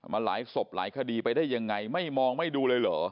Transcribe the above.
หลายศพหลายคดีไปได้ยังไงไม่มองไม่ดูเลยเหรอ